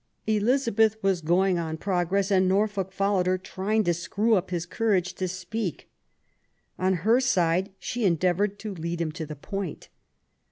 Elizabeth was going on progress, and Norfolk followed her, trying to screw up courage to speak. On her side she endeavoured to lead him to the point.